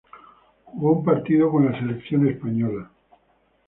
Jugó un partido con la selección española.